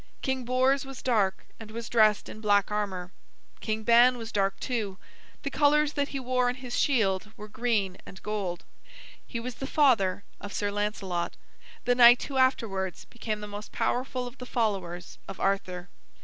King Bors was dark, and was dressed in black armor. King Ban was dark, too; the colors that he wore on his shield were green and gold. He was the father of Sir Lancelot, the knight who afterwards became the most powerful of the followers of Arthur.